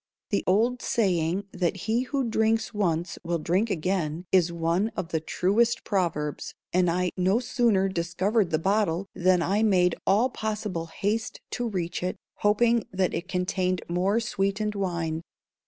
The old saying that he who drinks once will drink again is one of the truest of proverbs, and I no sooner discovered the bottle than I made all possible haste to reach it, hoping that it contained more sweetened wine.